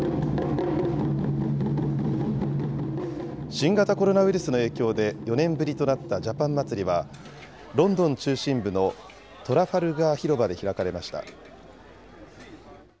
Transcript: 新型コロナウイルスの影響で、４年ぶりとなったジャパン祭りは、ロンドン中心部のトラファルガー広場で開かれました。